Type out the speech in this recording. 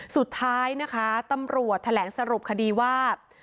สุดท้ายนะคะตำรวจแถลงสรุปคดีว่า